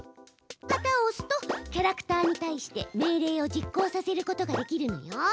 旗をおすとキャラクターにたいして命令を実行させることができるのよ！